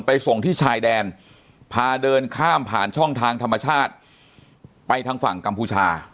ส่งที่ชายแดนพาเดินข้ามผ่านช่องทางธรรมชาติไปทางฝั่งกัมพูชา